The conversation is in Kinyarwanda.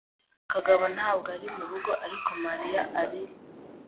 Kagabo ntabwo ari murugo, ariko Mariya ari.